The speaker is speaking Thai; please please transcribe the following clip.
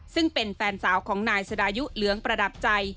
ซึ่งเป็นแฟนสาวของนายสดายุเหลืองประดับใจ